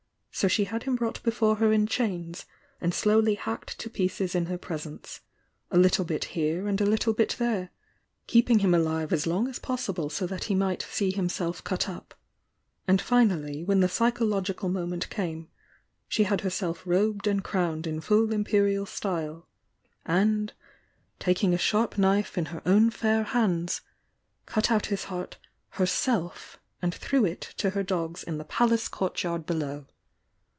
So she had him brought before her in chains, and slowly hacked to pieces in hor presence — a little bit here and a little bit there, keeping him alive as long as possible so that he might see himself cut up — and finally when the psychological moment came, she had her self robed and crowned in full imperial style, an:?, taking a sharp knife in her own fair hands, cut ri his heart herself and threw it to her dogs in the palace courtyard below!